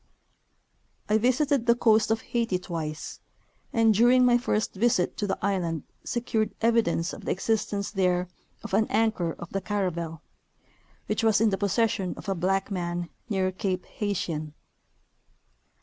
I visited the coast of Haiti twice, and during my first visit to the island secured evidence of the existence there of an anchor of the caravel, which was in the possession of a blacic man near cape Haitien.